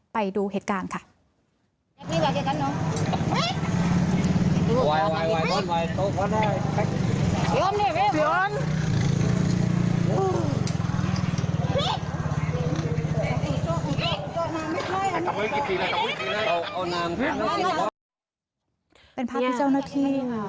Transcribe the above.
เป็นภาพที่เจ้าหน้าที่